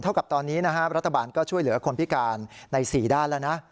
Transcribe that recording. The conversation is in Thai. กับตอนนี้นะฮะรัฐบาลก็ช่วยเหลือคนพิการใน๔ด้านแล้วนะ